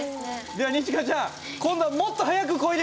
では二千翔ちゃん今度はもっと速くこいでみて下さい。